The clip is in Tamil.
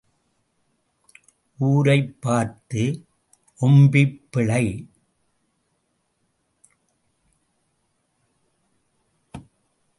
ஊரைப் பார்த்து ஓம்பிப் பிழை.